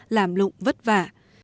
làm lụng vất vả